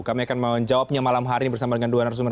kami akan menjawabnya malam hari ini bersama dengan dua narasumber